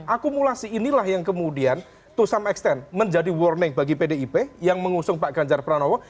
akumulasi inilah yang kemudian to some extent menjadi warning bagi pdip yang mengusung pak ganjar pranowo